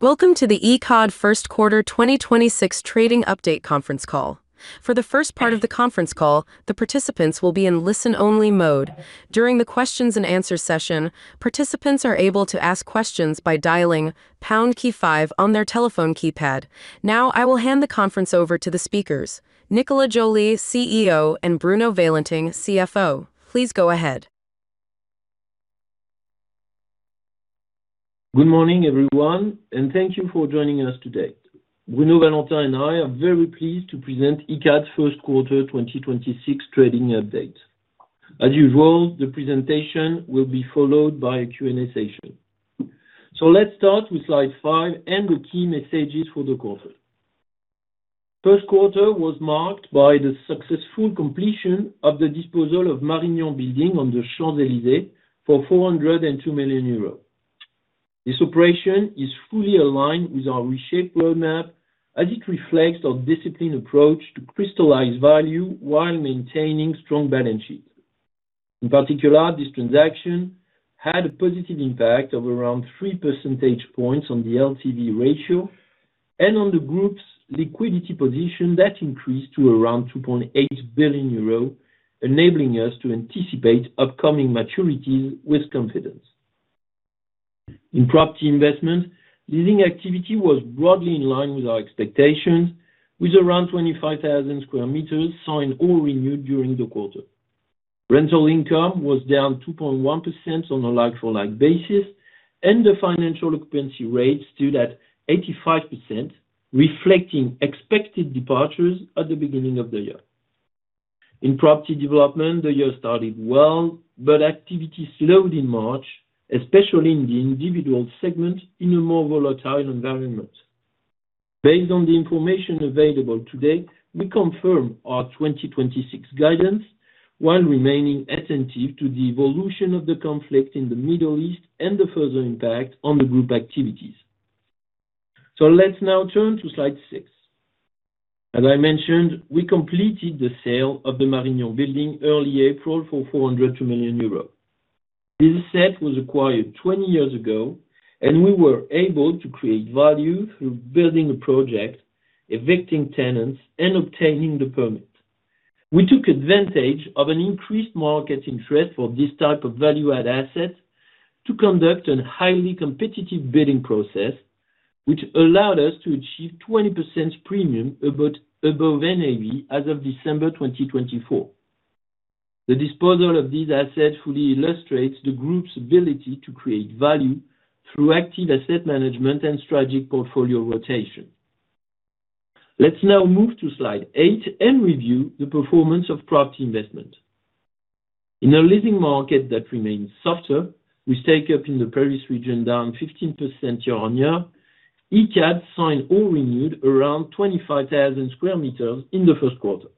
Welcome to the Icade first quarter 2026 trading update conference call. For the first part of the conference call, the participants will be in listen-only mode. During the questions and answers session, participants are able to ask questions by dialing pound key five on their telephone keypad. Now, I will hand the conference over to the speakers, Nicolas Joly, CEO, and Bruno Valentin, CFO. Please go ahead. Good morning, everyone, and thank you for joining us today. Bruno Valentin and I are very pleased to present Icade's first quarter 2026 trading update. As usual, the presentation will be followed by a Q&A session. Let's start with slide five and the key messages for the quarter. First quarter was marked by the successful completion of the disposal of Marignan building on the Champs-Élysées for 402 million euros. This operation is fully aligned with our reshaped roadmap as it reflects our disciplined approach to crystallize value while maintaining strong balance sheet. In particular, this transaction had a positive impact of around 3 percentage points on the LTV ratio and on the group's liquidity position that increased to around 2.8 billion euros, enabling us to anticipate upcoming maturities with confidence. In property investment, leasing activity was broadly in line with our expectations, with around 25,000 sq m signed or renewed during the quarter. Rental income was down 2.1% on a like-for-like basis, and the financial occupancy rate stood at 85%, reflecting expected departures at the beginning of the year. In property development, the year started well, but activity slowed in March, especially in the individual segment, in a more volatile environment. Based on the information available today, we confirm our 2026 guidance while remaining attentive to the evolution of the conflict in the Middle East and the further impact on the group activities. Let's now turn to slide six. As I mentioned, we completed the sale of the Marignan building early April for 402 million euros. This asset was acquired 20 years ago, and we were able to create value through building a project, evicting tenants, and obtaining the permit. We took advantage of an increased market interest for this type of value-add asset to conduct a highly competitive bidding process, which allowed us to achieve 20% premium above NAV as of December 2024. The disposal of this asset fully illustrates the group's ability to create value through active asset management and strategic portfolio rotation. Let's now move to slide eight and review the performance of property investment. In a leasing market that remains softer, with take-up in the Paris region down 15% year-on-year, Icade signed or renewed around 25,000 sq m in the first quarter.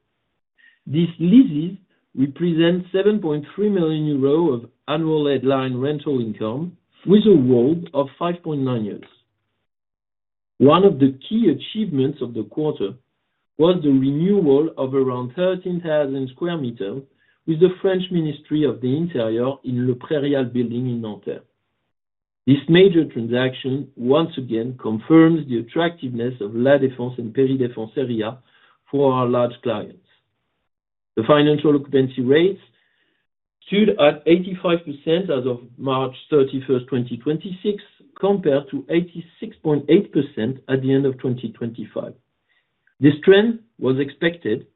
These leases represent 7.3 million euros of annual headline rental income, with a WALT of 5.9 years. One of the key achievements of the quarter was the renewal of around 13,000 sq m with the French Ministry of the Interior in Le Prérial building in Nanterre. This major transaction once again confirms the attractiveness of La Défense and Périphérique area for our large clients. The financial occupancy rates stood at 85% as of March 31st, 2026, compared to 86.8% at the end of 2025. This trend was expected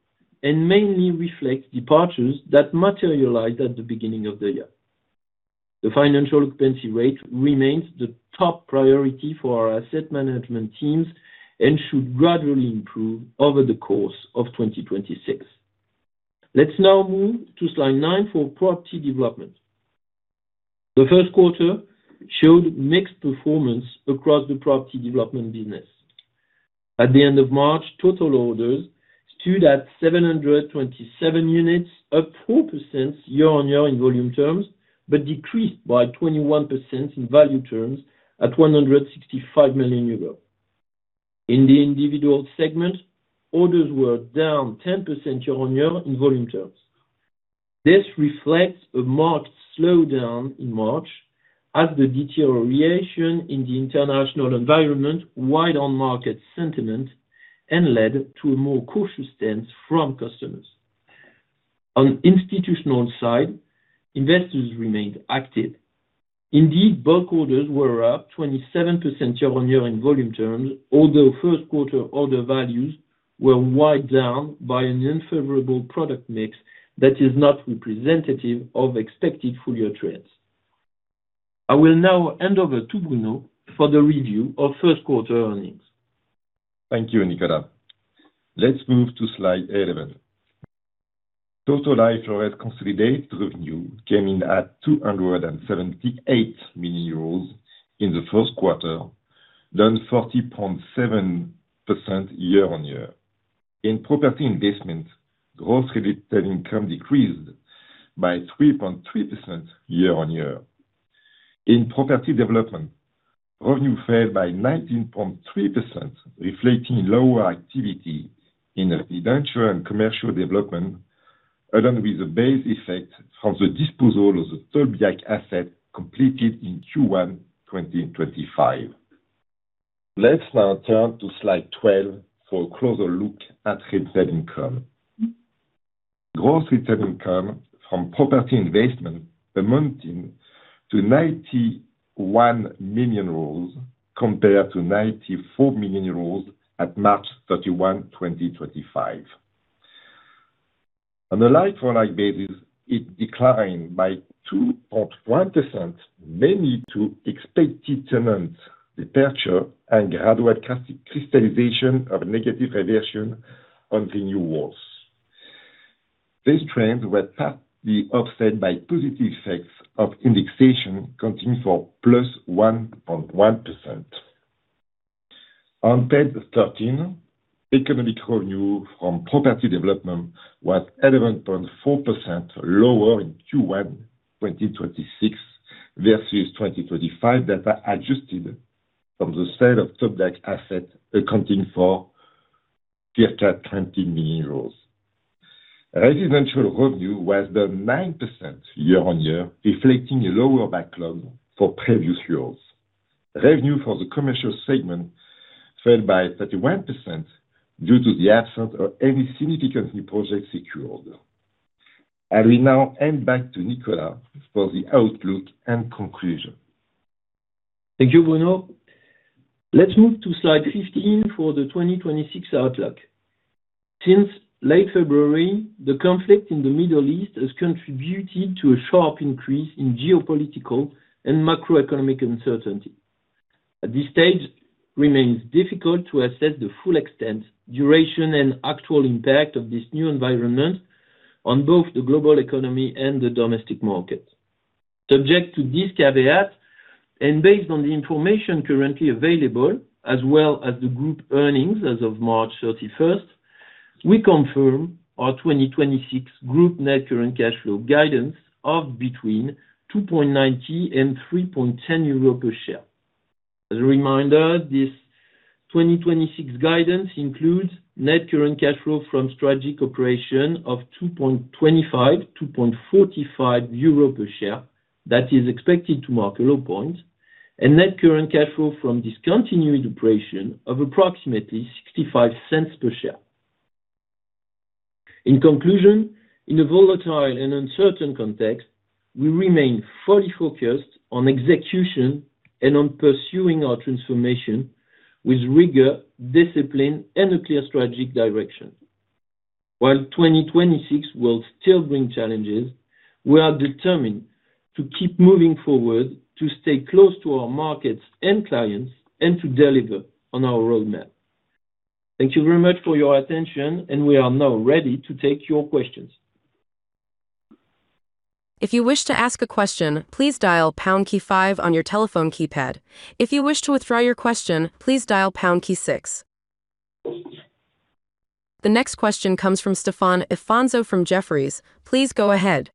and mainly reflects departures that materialized at the beginning of the year. The financial occupancy rate remains the top priority for our asset management teams and should gradually improve over the course of 2026. Let's now move to slide nine for property development. The first quarter showed mixed performance across the property development business. At the end of March, total orders stood at 727 units, up 4% year-on-year in volume terms, but decreased by 21% in value terms at 165 million euros. In the individual segment, orders were down 10% year-on-year in volume terms. This reflects a marked slowdown in March as the deterioration in the international environment weighed on market sentiment and led to a more cautious stance from customers. On institutional side, investors remained active. Indeed, bulk orders were up 27% year-over-year in volume terms, although first quarter order values were weighed down by an unfavorable product mix that is not representative of expected full-year trends. I will now hand over to Bruno for the review of first quarter earnings. Thank you, Nicolas. Let's move to slide 11. Total IFRS consolidated revenue came in at 278 million euros in the first quarter, down 40.7% year-on-year. In property investment, gross dividend income decreased by 3.3% year-on-year. In property development, revenue fell by 19.3%, reflecting lower activity in residential and commercial development, along with the base effect from the disposal of the Tolbiac asset completed in Q1 2025. Let's now turn to slide 12 for a closer look at revenue income. Gross rental income from property investment amounting to 91 million euros, compared to 94 million euros at March 31, 2025. On a like-for-like basis, it declined by 2.1%, mainly due to expected tenant departure and gradual crystallization of negative revision on the yields. This trend will be partly offset by positive effects of indexation, accounting for +1.1%. On page 13, economic revenue from property development was 11.4% lower in Q1 2026 versus 2025 data adjusted for the sale of Tolbiac asset accounting for 20 million. Residential revenue was down 9% year-on-year, reflecting a lower backlog for previous years. Revenue for the commercial segment fell by 31% due to the absence of any significant new project secured. I will now hand back to Nicolas for the outlook and conclusion. Thank you, Bruno. Let's move to slide 15 for the 2026 outlook. Since late February, the conflict in the Middle East has contributed to a sharp increase in geopolitical and macroeconomic uncertainty. At this stage, it remains difficult to assess the full extent, duration, and actual impact of this new environment on both the global economy and the domestic market. Subject to this caveat, and based on the information currently available, as well as the group earnings as of March 31st, we confirm our 2026 group net current cash flow guidance of between 2.90 and 3.10 euro per share. As a reminder, this 2026 guidance includes net current cash flow from strategic operation of 2.25-2.45 euro per share that is expected to mark a low point, and net current cash flow from discontinued operation of approximately 0.65 per share. In conclusion, in a volatile and uncertain context, we remain fully focused on execution and on pursuing our transformation with rigor, discipline, and a clear strategic direction. While 2026 will still bring challenges, we are determined to keep moving forward, to stay close to our markets and clients, and to deliver on our roadmap. Thank you very much for your attention, and we are now ready to take your questions. If you wish to ask a question, please dial pound key five on your telephone keypad. If you wish to withdraw your question, please dial pound key six. The next question comes from Stéphane Afonso from Jefferies. Please go ahead.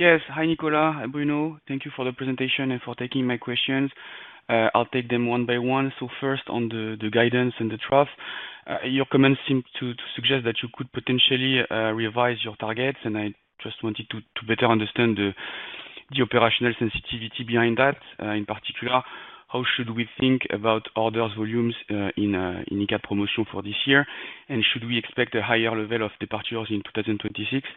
Yes. Hi, Nicolas and Bruno. Thank you for the presentation and for taking my questions. I'll take them one by one. First, on the guidance and the trough. Your comments seem to suggest that you could potentially revise your targets, and I just wanted to better understand the operational sensitivity behind that. In particular, how should we think about order volumes in Icade Promotion for this year? And should we expect a higher level of departures in 2026?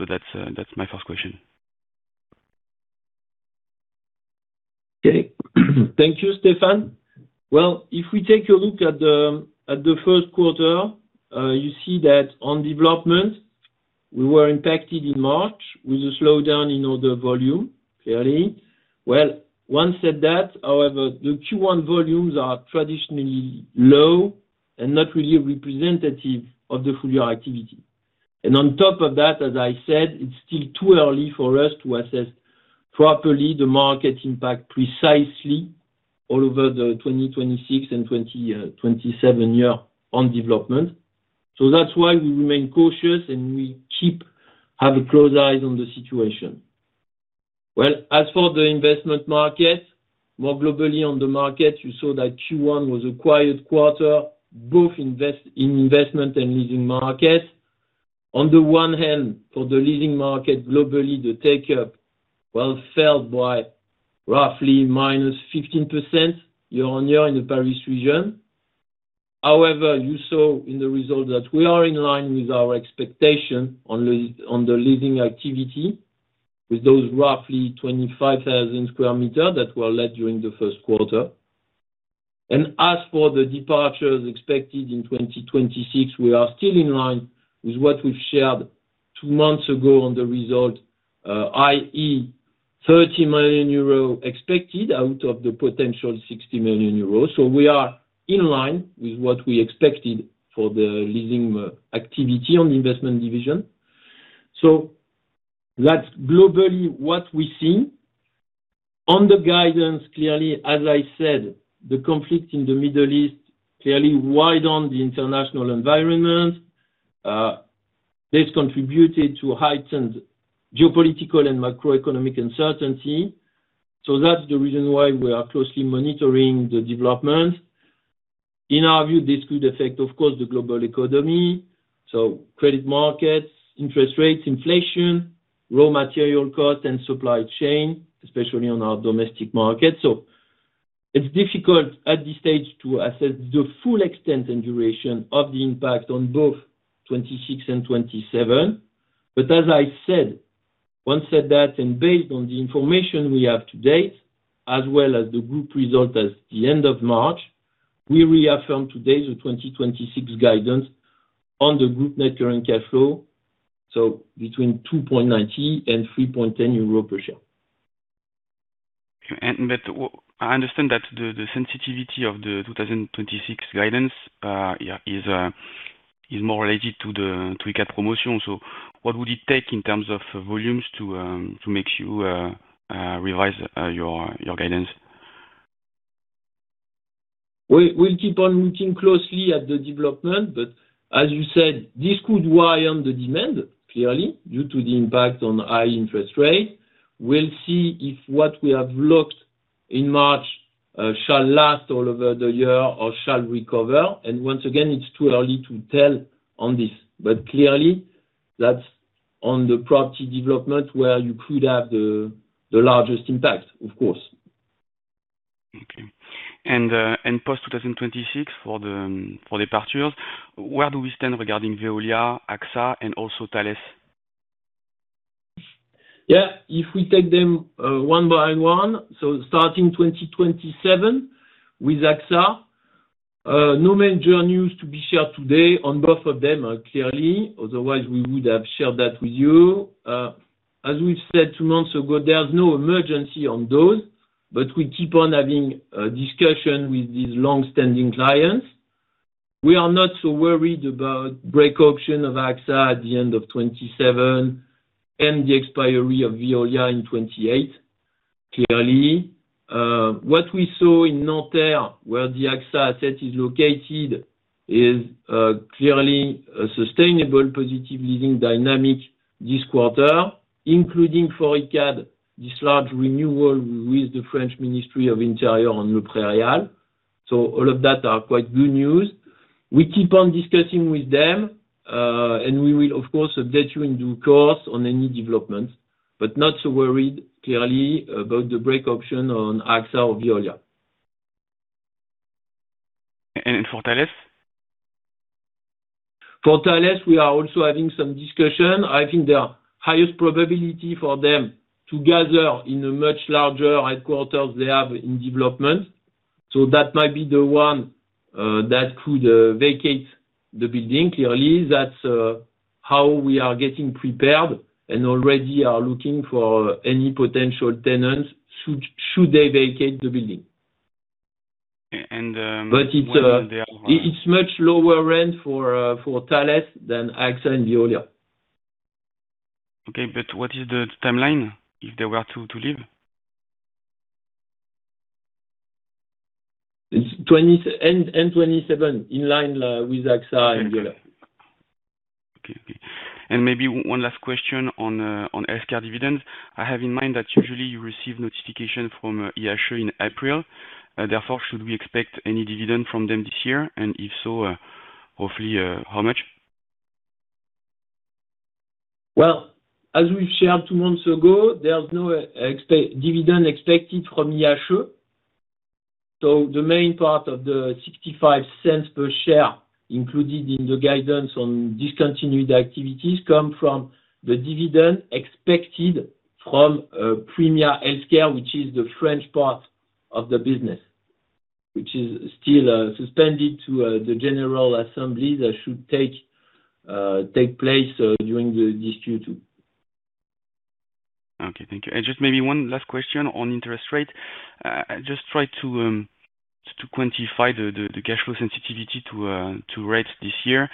That's my first question. Okay. Thank you, Stéphane. Well, if we take a look at the first quarter, you see that on development, we were impacted in March with a slowdown in order volume, clearly. Well, that said, however, the Q1 volumes are traditionally low and not really representative of the full-year activity. On top of that, as I said, it's still too early for us to assess properly the market impact precisely all over the 2026 and 2027 year on development. That's why we remain cautious, and we keep a close eye on the situation. Well, as for the investment market, more globally on the market, you saw that Q1 was a quiet quarter, both in investment and leasing markets. On the one hand, for the leasing market, globally, the take-up, well, fell by roughly -15% year-on-year in the Paris region. However, you saw in the results that we are in line with our expectation on the leasing activity with those roughly 25,000 sq m that were leased during the first quarter. As for the departures expected in 2026, we are still in line with what we've shared two months ago on the result, i.e., 30 million euros expected out of the potential 60 million euros. We are in line with what we expected for the leasing activity on the investment division. That's globally what we've seen. On the guidance, clearly, as I said, the conflict in the Middle East clearly widened the international environment. This contributed to heightened geopolitical and macroeconomic uncertainty. That's the reason why we are closely monitoring the development. In our view, this could affect, of course, the global economy, so credit markets, interest rates, inflation, raw material cost, and supply chain, especially on our domestic market. It's difficult at this stage to assess the full extent and duration of the impact on both 2026 and 2027. As I said, that said, and based on the information we have to date as well as the group result at the end of March, we reaffirm today the 2026 guidance on the group net current cash flow, so between 2.90 and 3.10 euro per share. I understand that the sensitivity of the 2026 guidance is more related to the Icade Promotion. What would it take in terms of volumes to make you revise your guidance? We'll keep on looking closely at the development, but as you said, this could weigh on the demand, clearly, due to the impact on high interest rates. We'll see if what we have looked in March shall last all over the year or shall recover, and once again, it's too early to tell on this. Clearly, that's on the property development where you could have the largest impact, of course. Okay. Post 2026 for departures, where do we stand regarding Veolia, AXA, and also Thales? Yeah. If we take them one by one, so starting 2027 with AXA, no major news to be shared today on both of them, clearly, otherwise we would have shared that with you. As we've said two months ago, there's no emergency on those, but we keep on having a discussion with these long-standing clients. We are not so worried about break option of AXA at the end of 2027 and the expiry of Veolia in 2028, clearly. What we saw in Nanterre, where the AXA asset is located, is clearly a sustainable positive leading dynamic this quarter, including for Icade, this large renewal with the French Ministry of the Interior on Le Prérial. All of that are quite good news. We keep on discussing with them, and we will, of course, update you in due course on any developments, but not so worried, clearly, about the break option on AXA or Veolia. For Thales? For Thales, we are also having some discussion. I think the highest probability for them to gather in a much larger headquarters they have in development. That might be the one that could vacate the building. Clearly, that's how we are getting prepared and already are looking for any potential tenants should they vacate the building. When will they? It's much lower rent for Thales than AXA and Veolia. Okay, what is the timeline if they were to leave? End 2027, in line with AXA and Veolia. Okay. Maybe one last question on healthcare dividends. I have in mind that usually you receive notification from Icade Santé in April. Therefore, should we expect any dividend from them this year? If so, hopefully, how much? Well, as we've shared two months ago, there's no dividend expected from Icade Santé. The main part of the 0.65 per share included in the guidance on discontinued activities come from the dividend expected from Praemia Healthcare, which is the French part of the business, which is still subject to the general assembly that should take place during the Q2. Okay, thank you. Just maybe one last question on interest rate. Just try to quantify the cash flow sensitivity to rates this year.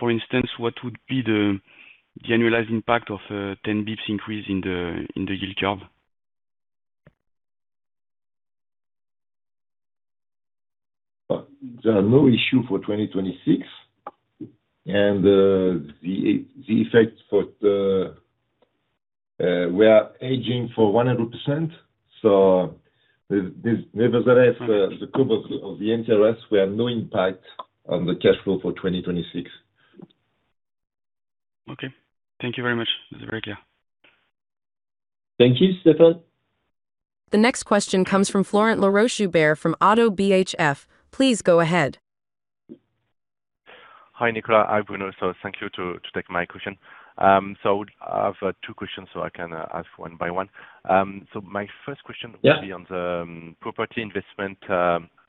For instance, what would be the annualized impact of a 10 basis points increase in the yield curve? There are no issue for 2026. We are aiming for 100%, so nevertheless, the group of the NTRs, we have no impact on the cash flow for 2026. Okay. Thank you very much. That's very clear. Thank you, Stéphane. The next question comes from Florent Laroche-Joubert from ODDO BHF. Please go ahead. Hi, Nicolas. Hi, Bruno. Thank you to take my question. I have two questions, so I can ask one by one. My first question- Yeah will be on the property investment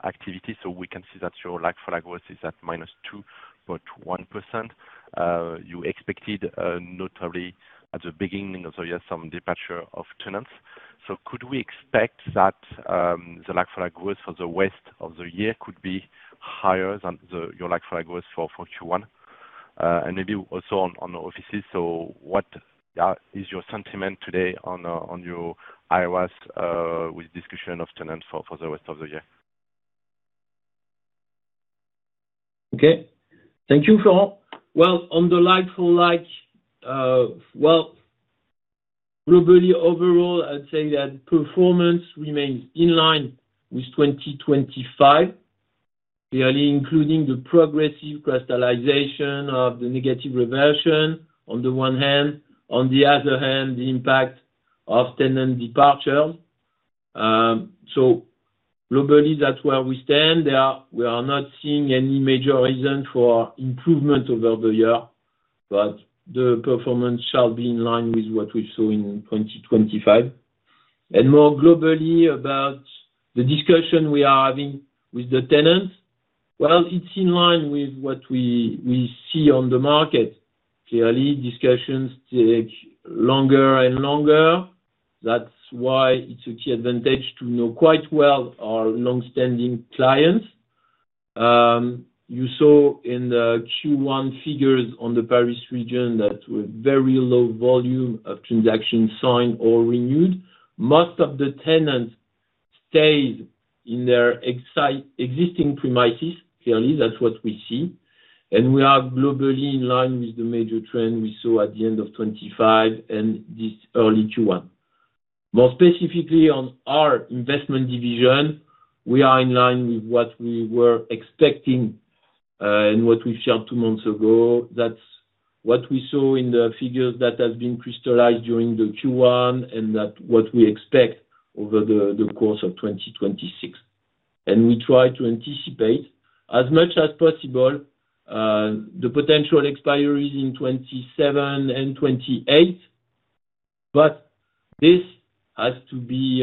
activity. We can see that your like-for-like growth is at -2.1%. You expected notably at the beginning of the year, some departure of tenants. Could we expect that the like-for-like growth for the rest of the year could be higher than your like-for-like growth for Q1? Maybe also on the offices. What is your sentiment today on your IOS with discussion of tenants for the rest of the year? Okay. Thank you, Florent. Well, on the like-for-like, globally overall, I'd say that performance remains in line with 2025, clearly including the progressive crystallization of the negative reversion on the one hand, on the other hand, the impact of tenant departure. Globally, that's where we stand. We are not seeing any major reason for improvement over the year, but the performance shall be in line with what we saw in 2025. More globally about the discussion we are having with the tenants, well, it's in line with what we see on the market. Clearly, discussions take longer and longer. That's why it's a key advantage to know quite well our long-standing clients. You saw in the Q1 figures on the Paris region that with very low volume of transactions signed or renewed, most of the tenants stayed in their existing premises. Clearly, that's what we see. We are globally in line with the major trend we saw at the end of 2025 and this early Q1. More specifically on our investment division, we are in line with what we were expecting, and what we shared two months ago. That's what we saw in the figures that have been crystallized during the Q1, and that's what we expect over the course of 2026. We try to anticipate as much as possible the potential expiries in 2027 and 2028. This has to be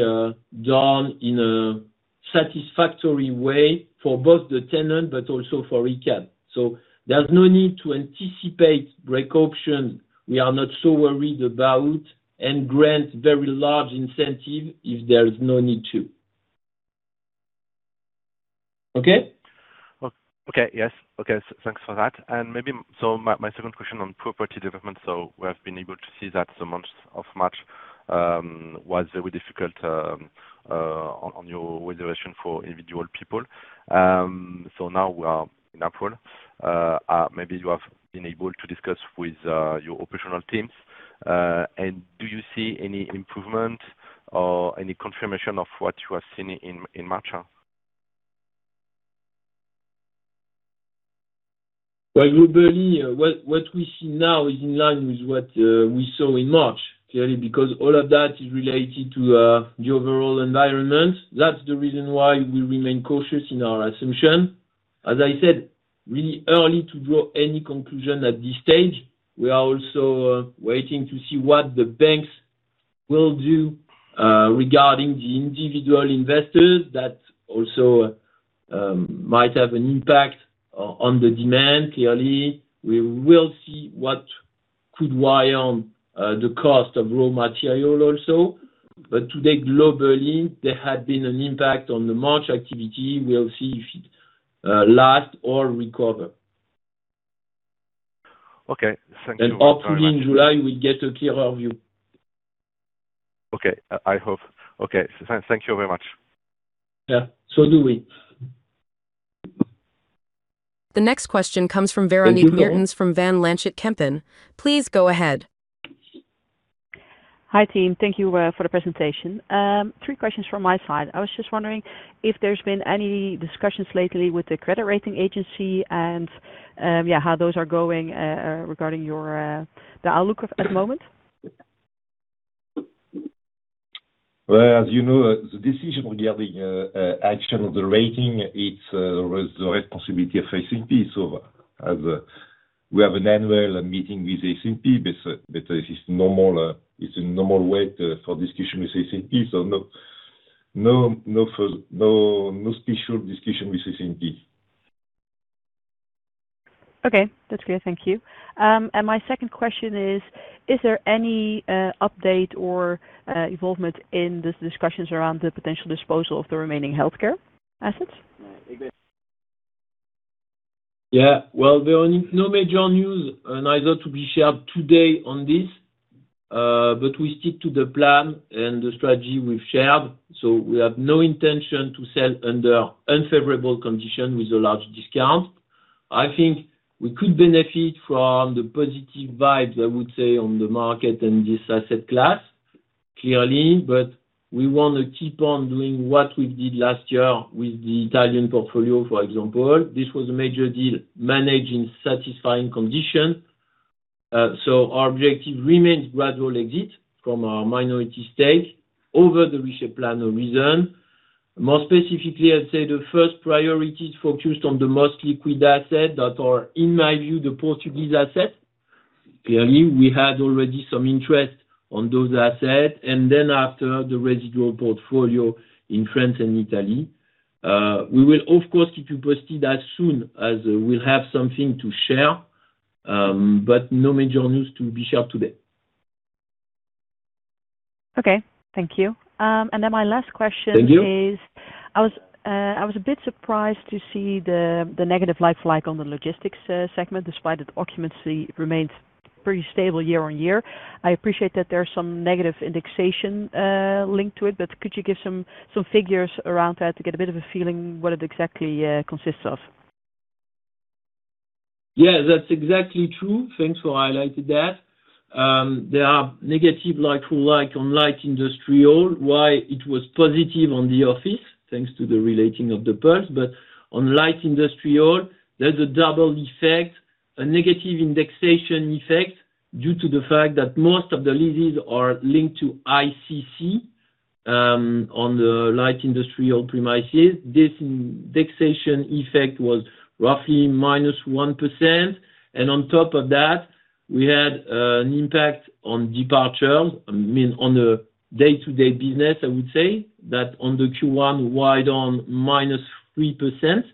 done in a satisfactory way for the tenant, but also for Icade. There's no need to anticipate break options. We are not so worried about having to grant very large incentives if there is no need to. Okay? Okay. Yes. Okay. Thanks for that. Maybe my second question on property development. We have been able to see that the month of March was very difficult on your reservation for individual people. Now we are in April. Maybe you have been able to discuss with your operational teams. Do you see any improvement or any confirmation of what you have seen in March? Well, globally, what we see now is in line with what we saw in March, clearly, because all of that is related to the overall environment. That's the reason why we remain cautious in our assumption. As I said, really early to draw any conclusion at this stage. We are also waiting to see what the banks will do, regarding the individual investors. That also might have an impact on the demand, clearly. We will see what could weigh on the cost of raw material also. But today, globally, there had been an impact on the March activity. We'll see if it lasts or recover. Okay. Thank you very much. Hopefully in July, we'll get a clearer view. Thank you very much. Yeah. So do we. The next question comes from Véronique Meertens from Van Lanschot Kempen. Please go ahead. Hi, team. Thank you for the presentation. Three questions from my side. I was just wondering if there's been any discussions lately with the credit rating agency, and yeah, how those are going, regarding the outlook at the moment. Well, as you know, the decision regarding action of the rating, it's the responsibility of S&P. As we have an annual meeting with S&P, but it's a normal way for discussion with S&P, so no special discussion with S&P. Okay. That's clear. Thank you. My second question is there any update or involvement in the discussions around the potential disposal of the remaining healthcare assets? Yeah. Well, there are no major news, neither to be shared today on this, but we stick to the plan and the strategy we've shared. We have no intention to sell under unfavorable condition with a large discount. I think we could benefit from the positive vibes, I would say, on the market and this asset class, clearly, but we want to keep on doing what we did last year with the Italian portfolio, for example. This was a major deal managed in satisfying condition. Our objective remains gradual exit from our minority stake over the recent plan of return. More specifically, I'd say the first priority is focused on the most liquid asset that are, in my view, the Portuguese asset. Clearly, we had already some interest on those assets. Then after, the residual portfolio in France and Italy. We will, of course, keep you posted as soon as we'll have something to share, but no major news to be shared today. Okay. Thank you. My last question. Thank you. I was a bit surprised to see the negative like-for-like on the logistics segment, despite that occupancy remained strong. Pretty stable year on year. I appreciate that there are some negative indexation linked to it, but could you give some figures around that to get a bit of a feeling what it exactly consists of? Yeah, that's exactly true. Thanks for highlighting that. There are negative like-for-like on like-for-like industrial, while it was positive on the office thanks to the reletting of the Périphérique. On like-for-like industrial, there's a double effect, a negative indexation effect, due to the fact that most of the leases are linked to ICC on the like industrial premises. This indexation effect was roughly -1%. On top of that, we had an impact on departure, I mean, on the day-to-day business, I would say, that on the like-for-like was -3%.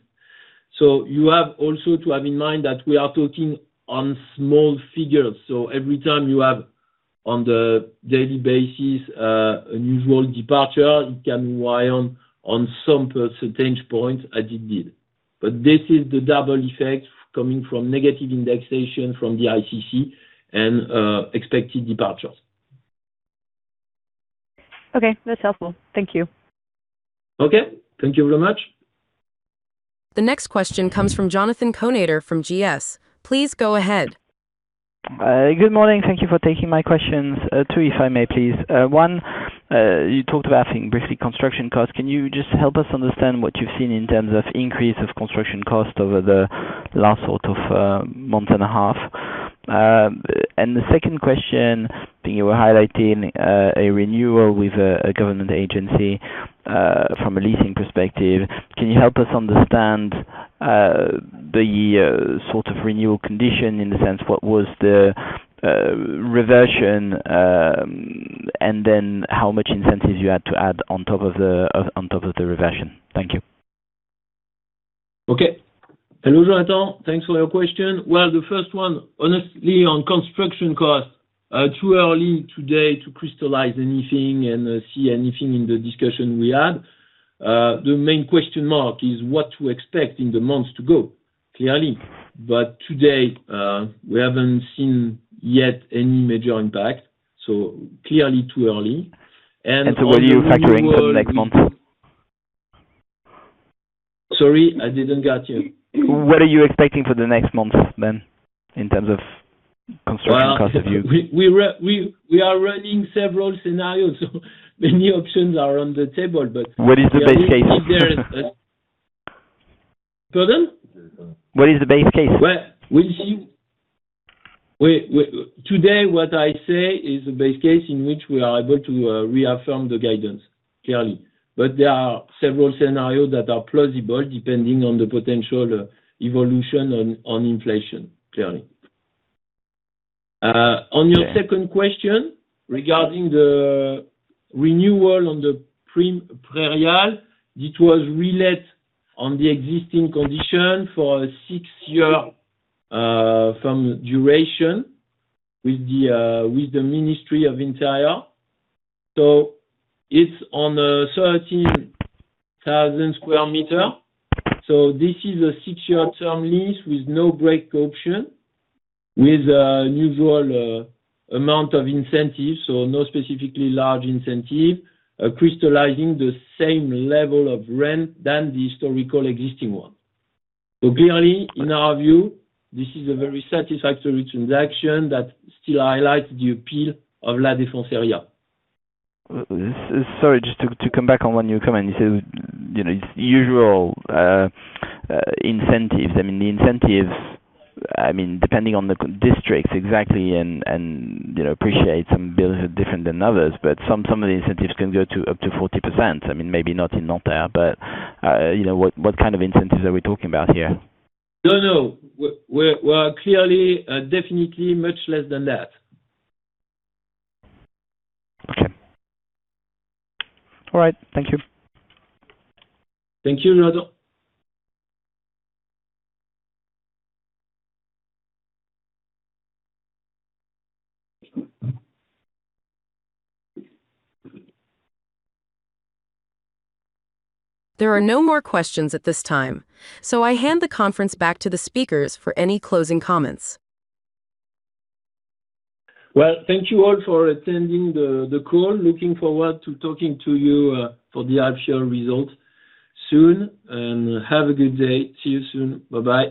You have also to have in mind that we are talking about small figures. Every time you have, on the daily basis, unusual departure, it can weigh in on some percentage points, as it did. This is the double effect coming from negative indexation from the ICC and expected departures. Okay. That's helpful. Thank you. Okay. Thank you very much. The next question comes from Jonathan Kownator from GS. Please go ahead. Good morning. Thank you for taking my questions. Two if I may, please. One, you talked about, I think, briefly construction cost. Can you just help us understand what you've seen in terms of increase of construction cost over the last month and a half? The second question, I think you were highlighting, a renewal with a government agency from a leasing perspective. Can you help us understand the sort of renewal condition in the sense what was the reversion, and then how much incentives you had to add on top of the reversion? Thank you. Okay. Hello, Jonathan. Thanks for your question. Well, the first one, honestly on construction cost, too early today to crystallize anything and see anything in the discussion we had. The main question mark is what to expect in the months to go, clearly. Today, we haven't seen yet any major impact, so clearly too early. On the renewal- What are you factoring for the next month? Sorry, I didn't get you. What are you expecting for the next months then, in terms of construction cost review? We are running several scenarios, so many options are on the table, but. What is the base case? Pardon? What is the base case? Well, today what I say is the base case in which we are able to reaffirm the guidance, clearly. There are several scenarios that are plausible depending on the potential evolution of inflation, clearly. Yeah. On your second question regarding the renewal on the Le Prérial, it was relet on the existing condition for a six-year firm duration with the Ministry of the Interior. It's on a 13,000 sq m. This is a six-year term lease with no break option, with usual amount of incentives, so no specifically large incentive, crystallizing the same level of rent than the historical existing one. Clearly, in our view, this is a very satisfactory transaction that still highlights the appeal of La Défense area. Sorry, just to come back on one of your comments. You said it's usual incentives. I mean the incentives, depending on the districts exactly, and I appreciate some buildings are different than others, but some of the incentives can go up to 40%. Maybe not in Nanterre, but what kind of incentives are we talking about here? No, no. We're clearly, definitely much less than that. Okay. All right. Thank you. Thank you, Jonathan. There are no more questions at this time, so I hand the conference back to the speakers for any closing comments. Well, thank you all for attending the call. Looking forward to talking to you for the actual results soon, and have a good day. See you soon. Bye-bye.